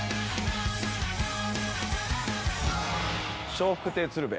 笑福亭鶴瓶。